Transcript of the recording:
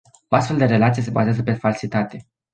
O astfel de relație se bazează pe falsitate.